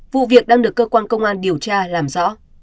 vụ việc đang được cơ quan công an điều tra làm rõ